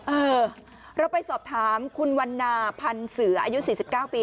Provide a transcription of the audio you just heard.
เออเราไปสอบถามคุณวันนาพันธ์เสืออายุ๔๙ปี